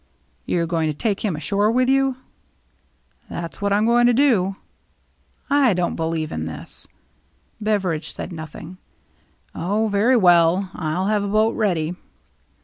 You're going to take him ashore with you?" " That's what I'm going to do." " I don't believe in this !" Beveridge said nothing. " Oh, very well. I'll have a boat ready."